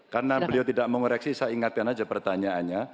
karena beliau tidak mau mereaksi saya ingatkan saja pertanyaannya